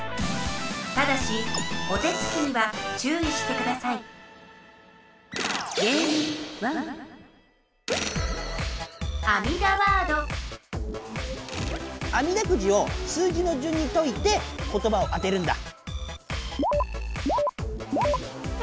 ただしお手つきにはちゅういしてくださいあみだくじを数字のじゅんにといてことばを当てるんだ！